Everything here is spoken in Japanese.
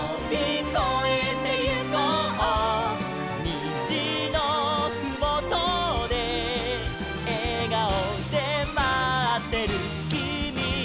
「にじのふもとでえがおでまってるきみがいる」